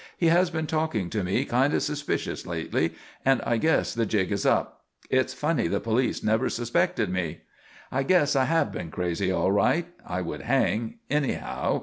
He has been talking to me kind of suspicious lately and I guess the jig is up. It's funny the police never suspected me._ "_I guess I have been crazy all right. I would hang anyhow.